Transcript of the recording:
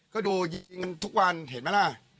ก็ดูกันทุกวันเห็นไหมล่ะ